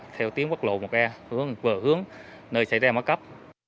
theo tiếng quốc lộ một e vừa hướng nơi xảy ra mất cấp